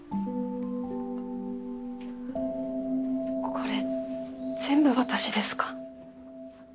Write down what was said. これ全部私ですか？